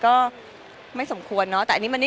เนื้อหาดีกว่าน่ะเนื้อหาดีกว่าน่ะ